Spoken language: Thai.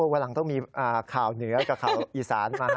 กำลังต้องมีข่าวเหนือกับข่าวอีสานมา